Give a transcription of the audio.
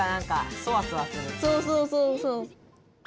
そうそうそうそう。